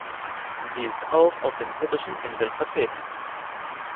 Sie ist auch auf den Britischen Inseln vertreten.